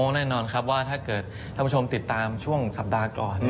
แน่นอนครับว่าถ้าเกิดท่านผู้ชมติดตามช่วงสัปดาห์ก่อน